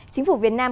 chính phủ việt nam